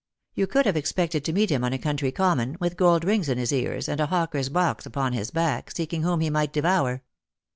You could have expected to meet him on a country common, with gold rings in his ears and a hawker's box upon his back, seeking whom he might devour.